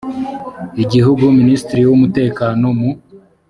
igihugu minisitiri w’umutekano mu